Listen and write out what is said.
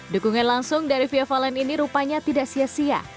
dukungan langsung dari vivaland ini rupanya tidak sia sia